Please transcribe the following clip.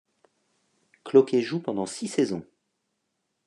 Cloquet joue pendant six saisons.